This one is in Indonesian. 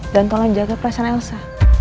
dan tolong jaga perasaan elsa